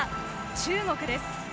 中国です。